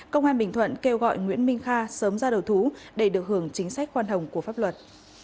công an bình thuận kêu gọi nguyễn minh kha sớm ra đầu thú để được hưởng chính sách khoan hồng của pháp luật